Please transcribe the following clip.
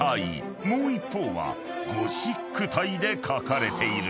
［もう一方はゴシック体で書かれている］